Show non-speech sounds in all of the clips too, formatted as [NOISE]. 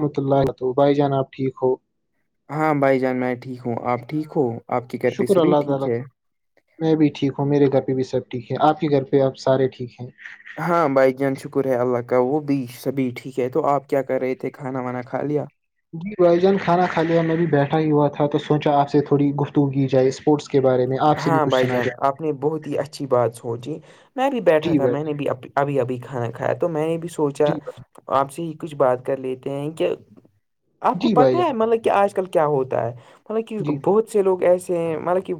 رحمت اللہاتب بائی جان آ ٹھیک ہو ہاں بھائی جان میں ٹھیک ہوں آپ ٹھیک ہو آپ کے گھر پہ شکر سبھی اللہ ٹھیک تعالی ہے میں بھی ٹھیک ہوں میرے گھر پہ بھی سب ٹھیک ہے آ کے گھر پہ اب سارے ٹھیک ہیں ہاں بھائی جان شکر ہے اللہ کا وہ بھی سبھی ٹھیک ہے تو آپ کیا کر رہے تھے کھانا وانا کھا لیا جی بائی جان کھانا کھایا میں بھی بیٹھا ہی ہوا تھا تو سوچا آپ سے تھوڑی گفتگ کی جائے اسپورٹس کے بارے میں آپ سے بھی ہاں کچھ بھائی سنا جان جائے آپ نے بہت ہی اچھی بات سوچی میں بھی بیٹھا جی تھا بھائی میں جان نے بھی ابھی ابھی کھانا کھایا تو میں نے بھی سوچا جی بھائی آپ سے ہی کچھ بات کر لیتے ہیں کہ آپ کو جی بھائی پتا جان ہے مطلب کہ آج کل کیا ہوتا ہے مطلب کہ جی بہت سے لوگ ایسے ہیں مطلب کہ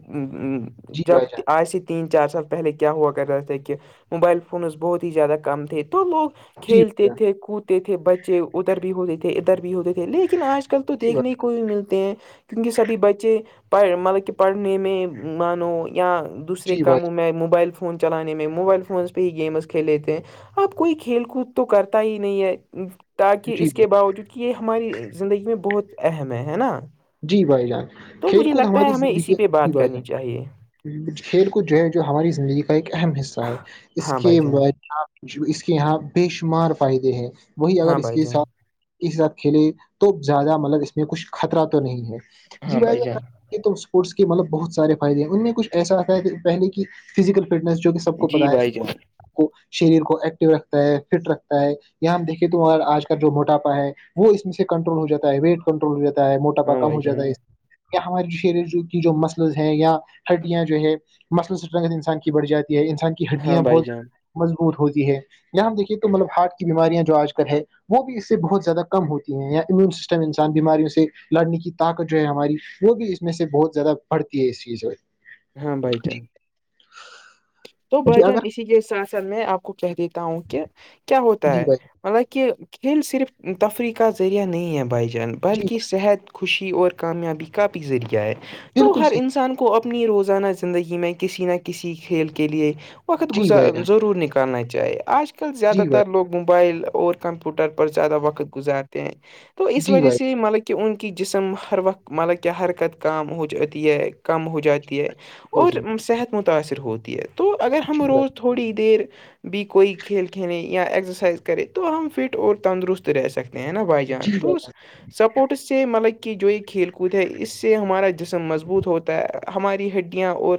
جی جب بھائی جان آس تین چار سال پہلے کیا ہوا کر رہتے تھے کہ موبائل فونز بہت ہی زیادہ کم تھے تو لوگ جی بھائی کھیلتے جان تھے کودتے تھے بچے ادھر بھی ہوتے تھے ادھر بھی ہو تھ لیکن آج کل تو دیکھنے کو بھی ملتے ہیں کیونکہ سبھی بچے پڑھ مطلب کہ پڑھنے میں موو یا دوسرے جی بھائی جی بھائی جان کاموں میں موبائ فون چلانے م میں موبائل فونز پہ یہ گیمز کھیلے تھے اب کوئی کھیل کود تو کرتا ہی نہیں ہے تاکہ جی اس کے بھائی باوجود کہ یہ ہماری زندگی میں بہت اہم ہے ہے نا جی بھائی جال تو کھیل مجھے کود لگتا ہے ہماری ہمیں اسی زندگیھی پہ بات کرنی چاہیے کھیل کود جو ہے جو ہماری زندگی کا ایک اہم حصہ ہے اس ہاں بھائی کے جان اس کے یہاں بے شمار فائدے ہیں وہی اگر ہاں اس بھائی کے جان ساتھ اس سات کھیلے تو زیادہ مطلب اس میں کچھ خطرہ تو نہیں ہے جی ہاں بھائی جان یہ تم اسپورٹس کے مطلب بہت سارے فائد ہیں ان میں کچھ ایسا آتا ہے کہ پہلے فزیکل فٹنس جو کہ سب کو جی پتا بھائی جان ہے شریر کو ایکٹو رکھتا ہے فٹ رکھتا ہے یہاں ہم دیکھے تو آج کل جو موٹاپا ہے وہ اس میں سے کنٹرول ہو جاتا ہے ویٹ کنٹرول ہو جا ہے م پا ہاں کم ہو بھائی جان جاتا ہے ہماریے شری کی جو مسلز ہیں یا ہڈیاں جو ہے مسلٹرنگھ انسان کی بڑھ جاتی ہے انسان کی ہاں ہڈیاں بھائی بہت جان مضبوط ہوتی ہے یہاں ہم دیکھیے تو مطلب ہارٹ کی بیماریاں جو آج کل ہے وہ بھی اس سے بہت زیادہ کم ہوتی ہیں یا امیون سسٹم انسان بیماریوں سے لڑنے کی طاقت جو ہے ہماری وہ بھی اس میں سے بہت زیادہ بڑھتی ہے اس چیز میں ہاں بھائی جان تو بھائی جی جان اگر اسی کے ساتھ ساتھ میں آپ کو کہ دیتا ہوں کہ کیا ہوتا جی ہے بھائی مطلب کہ کھیل صرف تفریح کا ذریعہ نہیں ہے بھائی جان جی بلکہ بھائی صحت خوشی اور کامیابی کا بھی ذریعہ ہے تو بالکل ہر صحیح انسان کو کو اپنی روزانہ زندگی میں کسی نہ کسی کھیل کے لئے وقت جی گزار بھائی جان ضرور نکال کرنا چاہیے آج کل زیادہ جی تر بھائی لوگ موبائل اور کمپیوٹر پر زیادہ وقت گزارتے ہیں تو اس جی وجہ بھائی سے یہ ملک کہ ان کی جسم ہر وقت مطلب کہ حرکت کام ہو ج ہے کم ہو جاتی ہے بالکل صحیح اور صحت متاأثر ہوتی ہے تو اگر ہم جی بھائی روز تھوڑی دیر بھی کوئی کھیل کھیلیں یا ایکسرسائز کرے تو ہم فٹ اور تندرست رہ سکتے ہیں نا بھائی جی جان تووس جان [INAUDIBLE] سپورٹس سے ملک کی جو یہ کھیل کود ہے اس سے ہمارا جسم مضبوط ہوتا ہے ہماری ہڈیاں اور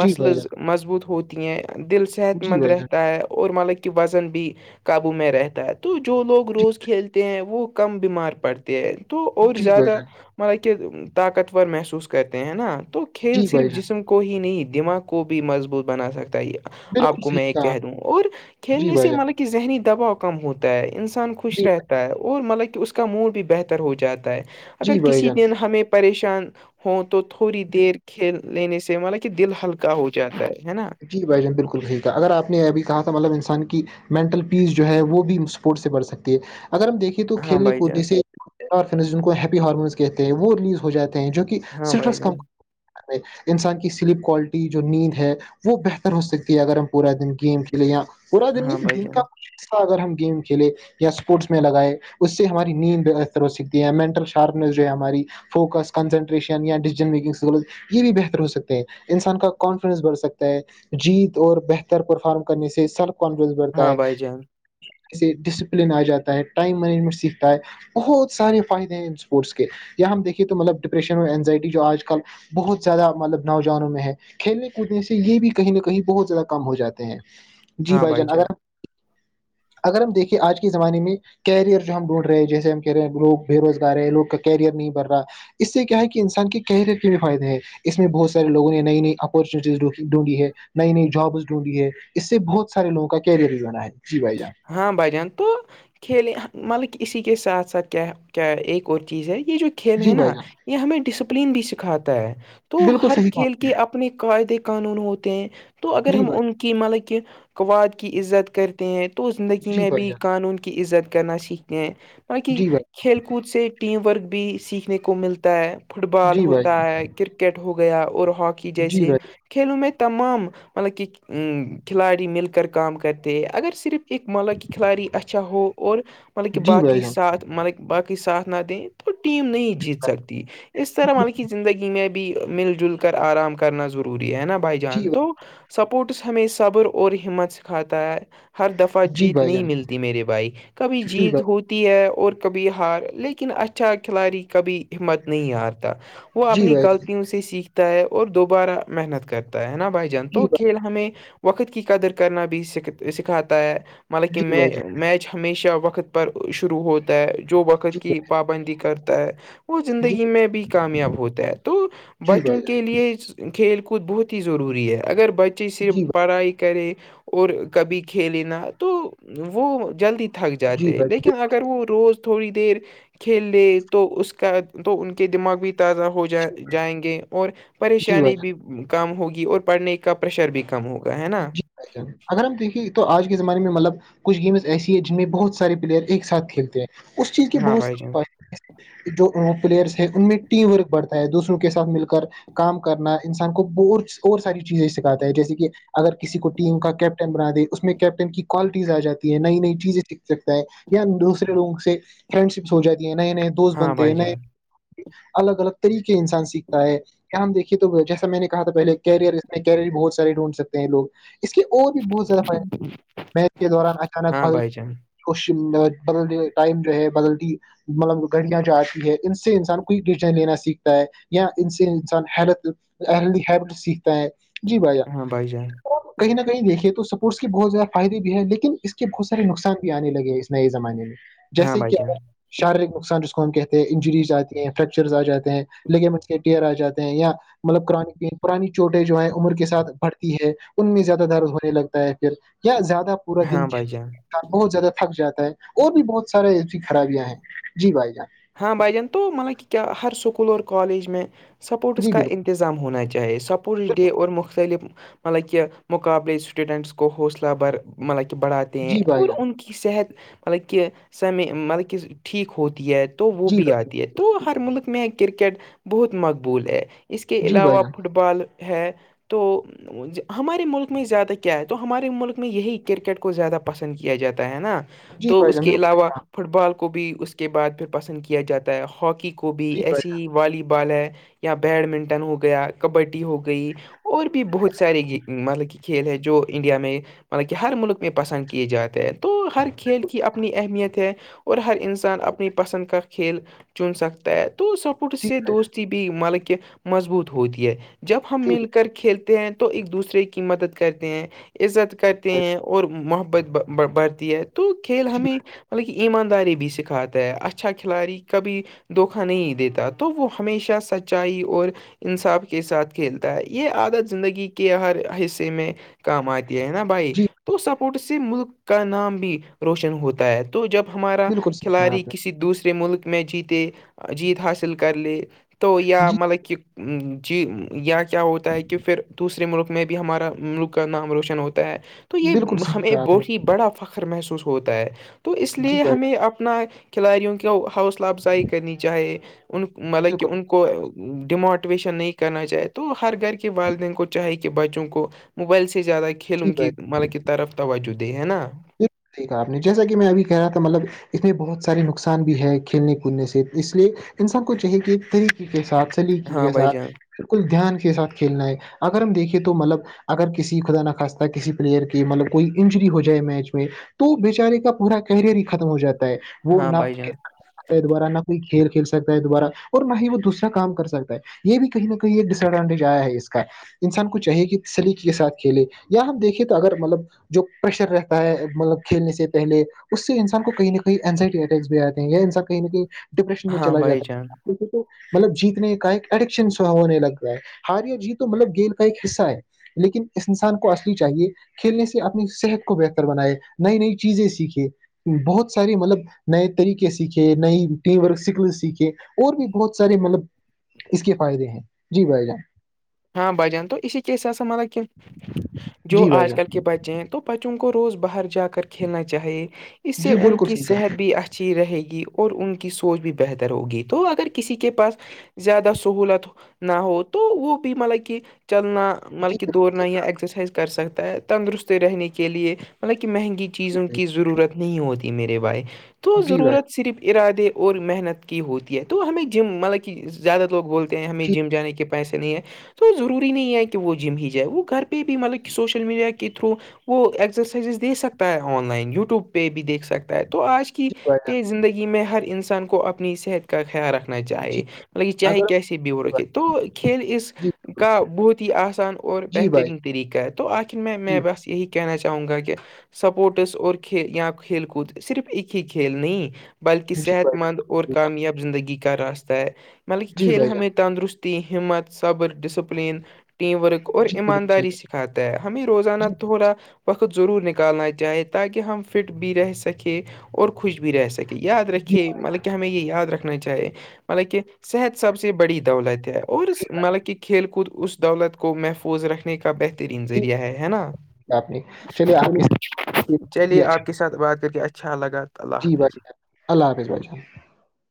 جی بھائی جان مضبوط ہوتی ہیں دل صحت جی مند بھائی جان رہتا ہے اور مطلب وزن بھی قابو میں رہتا ہے تو جو لوگ جی روز کھیلتے ہیں وہ کم بیمار پڑتے تو اور جی بھائی زیادہ جان مطلب کہ طاقتور محسوس کرتے ہیں نا تو کھیل جی صرف بھائی جان جسم کو ہی نہیں دماغ کو بھی مضبوط بنا سکتا ہے یہ آپ بالکل کو میں صحیح یہ کہا آپ۔ کہہ دوں اور جی کھیلنے بھائی سے جان مطلب کہ ذہنی دباؤ کم ہوتا ہے ان سب ان خوش جی رہتا ہے اور مطلب کہ اس کا موڈ بھی بہتر ہو جاتا ہے اگر جی بھائی کسی جان دن ہمیں پریشان ہوں تو تھوڑی دیر کھیل لینے سے مطل کہ دل ہلکا ہو جاتا ہے نا جی بھائی جان بالکل صحیک تھا اگر آپ نے ابھی کہا تھا مطلب انسان کی مینٹل پیس جو ہے وہ بھی اسپورٹس سے بڑھ سکتی ہے اگر ہم دیکھیں تو ہاں کھیلنے بھائی کودنے جان سے آرفنس جن کو ہیپی ہارمونس کہتے ہیں وہ ریلیز ہو جاتے ہیں جو ہاں بھائی سٹرس کم جان کر میں انسان کی سلیپ کوالٹی جو نیند ہے وہ بہتر ہو سکتی ہے اگر ہم پورا دن گیم کھیلیں یا پورا دن ہاں نہیں بھائی دن کا جان ا اگر ہم گیم کھیلے یا اسپورٹس میں لگائے اس سے ہماری نیند طرح سیکھتی ہیں مینٹل شارپنیس جو ہے ہماری فوکس کنسنٹریشنیا ڈن میکنگ سے یہ بھی بہتر ہو سکتے ہیں انسان کا کانفیڈینس بڑھکتا ہے جیت اور بہتر پرفارم کرنے سے سیلف کانفیڈنس بڑھتا ہاں ہے بھائی جان جسے ڈسپلن آ جاتا ہے ٹائم مینجمنٹ سیکھتا ہے بہت سارے فائدے ہیں ان اسپورٹس کے یا ہم دیکھیے تو مطلب ڈپریشن اور اینزائٹی جو آج کل بہت زیادہ مطلب نوجوانوں میں ہے کھیلنے کودنے سے یہ بھی کہیں نہ کہیں بہت زیادہ کم ہو جاتے ہیں جی بھائی جان اگر [INAUDIBLE] اگر ہم دیکھیں آج کے زمانے میں کیریئر جو ہم ڈونڈ رہے جیسے ہم کہہ رہے ہیںوگ بے روزگار ہے لوگ کا کیریئر نہیں بھر رہا اس سے کیا ہے کہ انسان کے کیریئر کے بھی فائدے ہے اس میں بہت سارے لووں نے نئی نئی اپورچونیٹیز رک ڈھونڈی ہے نئی نئی جابس ڈھونڈی ہے اس سے بہت سارے لگوں کا کیریئر بھی جانا ہے جی بھائی جان ہاں بھائی جان کھیلے مطلب اسی کے ساتھ ساتھ کیا کیا ایک اور چیز ہے یہ جو کھیل ہے جی بھائی نا جان یہ ہمیں ڈسپلین بھی سکھاتا ہے تو بالکل ہر صحیح کہا کھیل کے اپنے قاعدے قانون ہوتے ہیں تو اگر جی ہم بھائی ان کی مطلب کہ قواد کی عزت کرتے ہیں تو زندگی میں بھی جان قانون کی عزت کرن سے کی بقہ جی بھائی کھیل کود سے ٹیم ورک بھی سیکھنے کو ملتا ہے فٹ جان بال ہوتا جی ہے کرکٹ ہو گیا اور ہاکی جیسے بھائی کھیلوں میں تمام مطلب کہ کھلاڑی مل کر کام کرتے ہیں اگر صرف ایک مطلب کہ کھلاڑی اچھا ہو اور مطلب کہ جی بھائی باقی جان ساتھ مطلب باقی ساتھ نہ دیں تو ٹیم نہیں جیت سکتی اس طرح ملکی زندگی میںب بھی مل جل کر آرام کرنا ضروری ہے نا بھائی جان تو سپورٹس ہمیں صبر اور ہمت سکھاتا ہے ہر دفعہ جی جیت بھائی نہیں جان ملتی میرے بھائی کبھی جی جیت بھائی ہو تی ہے اور کبھی ہار لیکن اچھا کھلاڑی کبھی ہمت نہیں ہارتا وہ جی اپنی بھائی جان غلطیوں سے سیکھتا ہے اور دوبارہ محنت کرتا ہے نا بھائی جان تو جی بھائی کھیل ہمیں وقت کی قدر کرنا بھی س سکھاتا ہے مطلب کہ جی میں بھائی جان میچ ہمیشہ وقت پر شروع ہوتا ہے جو وقت کی پابندی کرتا ہے وہ زندگی میں بھی کامیاب ہوتا ہے تو جی بھائی جی بھائی بچوں جان کے لیے کھیل کود بہت ہی ضروری ہے اگر بچے صرف جی بھائی جی جی بھائی جان جی بھائی پڑھائی کرے اور کبھی کھیلینا تو وہ جلدی تھک جی جاتے بھائی لیکن بالکل اگر وہ روز تھوڑی دیر کھیل لے تو اس کا تو ان کے دماغ بھی تازہ ہو جائے صحیح، جائیں گے اور جی بھائی پریشانی بھی جان کم ہوگی اور پڑھنے کا پریشر بھی کم ہوگا ہے نا جی اگر ہم دیکھیں تو آج کے زمانے میں مطلب کچھ گیمز ایسی ہے جن میں بہت سارے پلیئر ایک ساتھ کھیلتے ہیں اس چیز کے ہاں بہت بھائی سے جان جو پلیئرس ہے ان میں ٹیم ورک بڑھتا ہے دوسروں کے ساتھ مل کر کام کرنا انسان کو ب اور ساری چیزیں سکھاتا ہے جیسے کہ اگر کسی کو ٹیم کا کیپٹن بنا دے اس میں کیپٹن کی کوالٹیز آ جاتی ہے نئی نئی چیزیں سیکھ سکتا ہے یا دوسرے لوگوں سے فرینڈ شپس ہو جاتی ہیں نئے نئے دوست ہاں بنتے ہیں بھائی نئے جان الگ الگ طریقے انسان سیکھتا ہے کیا ہم دیکھیے تو جیسا میں نے کہا تھا پہلے کیریئر کہہے بہت سارے ڈھونڈ سکتے ہیں لگ اس کے اور بھی بہت زیادہ فائدے ہیں میت کے دوران اچانک ہاں بھ بھائی جان کش بدلتی ٹائم جو ہے بدلتی مطلب گھڑیاں جو آتی ہے ان سے انسان کوئی ڈیزائن لینا سیکھتا ہے یا ان سے انسانل ہیل ہیٹ سیکھتا ہے جی بھیا ہاں بائی جان کہیں نہ کہیں دیکھیے تو سپورٹس کے بہت زیادہ فائدے بھی ہے لیکن اس کے بہت سارے نقصان بھی آنے لگے نئے زمانے میں ہاں جیسے بھائی کہ جان شاریرک نقصان جس کو ہم کہتے ہیں انجریز آتی ہیں فریکچرز آ جاتے ہیں لیکن مجھ کے آ جاتے ہیں یا مطلب پرانی پرانی چوٹے جو ہے عمر کے ساتھ ب ہے ان میں زیادہ درد ہونے لگتا ہے پھر یا زیادہ پورا دن ہاں بھائی جان کھیل بہت زیادہ پ تھک جاتا ہے اور بھی بہت سارے ایسی خرابیاں ہیں جی بھائی جان ہاں بھائی جان تو مطلب کہ کیا ہر سکول اور کالج میں سپورٹس جی کا بالکل انظ ہونا چاہے سپورٹس ڈے اور مختلف مطلب کہ مقابلے اسٹوڈنٹس کو حوصلہ بھر مطلب کہ بڑا ہیں جی بھائی اور جان ان کی صحت مطلب کہ سمے مطلب کہ ٹھیک ہوتی ہے تو وہ جی بھی بھائی جان آتی ہے تو ہر ملک میں کرکٹ بہت مقبول ہے اس کے جی بھائی علاوہ جان فٹ بال ہے تو ہمارے ملک میں زیادہ کیا ہے تو ہمارے ملک میں یہی کرکٹ کو زیادہ پسند کیا جاتا ہے نا تو اس کے علاوہ فٹ بال کو بھی اس کے بعد پھر پسند کیا جاتا ہے ہاکی کو کو بھی جی ایسی والی بال ہے یا بیڈمنٹن ہو گیا کبڈی ہو گئی اور بھی بہت سارے گیم مطلب کہ کھیل ہے جو انڈیا میں مطلب کہ ہر ملک میں پسند کیے جاتے ہیں تو ہر کھیل کی اپنی اہمیت ہے اور ہر انسان اپنی پسند کھیل چن سکتا ہے تو سپورٹ سے دوستی بھی مطلب کہ مضبوط ہوتی ہے جب ہم بھائی مل کر کھیلتے ہیں تو ایک دوسرے کی مدد کرتے ہیں عزت کرتے جان ہیں اور محبت بڑھتی ہے تو بالکل کھیل صحیح کہا جی بھائی جان جی بھائی جان جی بھائی جان جی بھائی- ہمیں مطلب کہ ایمانداری بھی سکھاتا ہے اچا اچھا کھلاڑی کبھی دھوکا نہیں دیتا تو وہ ہمیشہ سچائی اور انصاف کے ساتھ کھیلتا ہے یہ عادت زندگی کے ہر حصے میں کام آتی ہے نا بھائی جی تو سپورٹ سے ملک کا نام بھی روشن ہوتا ہے تو جب ہمارا بالکل صحیح کہا کھلاڑی آپ نے کسی دوسرے ملک میں جیتے جیت حاصل کر لے تو یا جی مطلب کہ جی یا کیا ہوتا ہے کہ پھر دوسرے ملک میں بھی ہمارا ملک کا نام روشن ہوتا ہے تو یہ بالکل صحیح ہمیں کہا آپ نے بہت ہی بڑا فخر محسوس ہوتا ہے تو اس جی لیے بھائی جان ہمیں اپنا کھلاڑیوں کے حاصلہ افزائی کرنی چاہے ان مطلب کہ بالکل ان کو ڈیموٹیویشن نہیں کرنا چاہائے تو ہر گھر کے والدین کو چاہے کہ بچوں کو موبائل سے زیادہ جی کھیلوں بھائی کی مطلب کی طرف توجہ دے ہے نا آپ نے جیسا کہ میں ابھی کہہ رہا تھا مطلب اس میں بہت سارے نقصان بھی ہے کھیلنے کودنے سے اس لیے انسان کو چاہیے کہ طریق کے ساتھ سلیقی ہاں کے بھائی ساتھ جان بالکل دھیان کے ساتھ کھیلنا ہے اگر ہم دیکھیں تو مطلب اگر کسی خدا نخواستہ کسی پلیئر کی مطلب کوئی انجری ہو جائے میچ میں میں تو بیےچارے کا پورا کیریئر ہی ختم ہو جاتا ہے وہ ہاں نہ بھائی جان دوارہ نہ کوئی کھیل کھیل سکتا ہے دوبارہ اور نہ ہی وہ دوسرا کام کر سکتا ہے یہ بھی کہیں نہ کہیں ایک ڈس ایڈوانٹیج آیا ہے اس کا انسان کو چاہیے کہ سلیقے کے ساتھ کھیلے یا ہم دیکھیں تو اگر مطلب جو پریشر رہ تا ہے مطلب کھیلنے سے پہلے اس سے انسان کو کہیں نہ کہیں اینزائٹی اٹیکس بھی آتے ہیں یا انسان کہیں نہ کہیں ڈپریشن میں ہاں چلا بھائی جاتا جان ہے دیکھے تو مطلب جیتنے کا ایک ایڈکشن سو ہونے لگ رہا ہے ہار یا جیت تو مطلب گیم کا ایک حصہ ہے لیکن اس انسان کو اصلی چاہیے کھیلنے سے اپنی صحت کو بہتر بنائے نئی نئی چیزیں سیکھیں بہت سارے مطلب نئے طریقے سیکھے نئی ٹیم ورک سکلز سیکھے اور بھی بہت سارے مطلب اس کے فائدے ہیں جی بھائی جان ہاں بجن تو اسی کے حس سا مطلب کہ جو جی بھائی آج جان کل کے بچے ہیں تو بچوں کو روز باہر جا کر کھیلنا چاہیے اس سے جی ان بالکل کی صحیح صحت کہا بھی اچھھیا اچھی رہے گی اور ان کی سوچ بھی بہتر ہوگی تو اگر کسی کے پاس زیادہ سہولت نہ ہو تو وہ مطلب کہ چلنا جی مطلب کہ بالکل دوڑنا یا ایکسرسائز کر سکتا ہے تندرست رہنے کے لیے مطلب کہ مہنگی چیزوں صحیح کی ضرورت نہیں ہوتی میرے بھائی تو جی بھائی ضرورت صرف ارادے اور محنت کی ہوتی ہے تو ہمیں جم مطلب کہ زیادہ لوگ بولتے ہیں ہمیں جی جم جانے کے پیسے نہیں ہیں تو ضروری نہیں ہے کہ وہ جم ہی جائے وہ گھر پہ بھی مطلب سوشل میڈیا کے تھرو وہ ایکسرسائزز دیک سکتا ہے آن لائن یوٹیوب پہ بھی دیکھ سکتا ہے تو آج کے کہ جی بھائی جان تیز زندگی میں ہر انسان کو اپنی صحت کا خیال رکھنا جی چاہیے مطلب یہ چاہے اگر کیسے بھی ہو رکھے تو کھیل اس جی بالکل کا بہت ہی آسان اور جی بھائی بہترین طریقہ ہے تو آخر میں جی میں بس یہی کہنا چاہوں گا کہ سپورٹس اور ک یا کھیل کود صرف ایک ہی کھیل نہیں بلکہ جی صحت بھائی مند اور جان کامیاب زندگی کا راستہ ہے مطلبکہ جی کھیل بھائی جان ہمیں تندرست تتی ہمت صبر ڈسپلن ٹیم ورک اور جی بالکل صحیح ایمانداری سکھاتا ہے ہمیں روزانہ جی تھوڑا وقت ضرور نکالنا چاہے تاکہ ہم فٹ بھی رہ سکیں اور خوش بھی رہ سکیں یاد جی رکھیے مطلب کہ ہمیں یہ یاد رکھنا چاہیے مطلب کہ صحت سب سے بڑی دولت ہے اور جی بھائی مطلب کہ کھیل کود اس دولت کو محفوظ رکھ کا بہترین جی ذریعہ ہے ہے نا آپ نے چلیے آپ کے ساتھ بہت ہی چلیے اچھا آپ کسی بات کر کے اچھا لگا اللہ جی حافظ بھائی اللہ حافظ بھائی جان